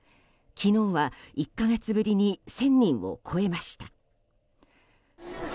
昨日は１か月ぶりに１０００人を超えました。